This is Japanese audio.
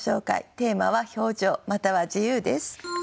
テーマは「表情」または自由です。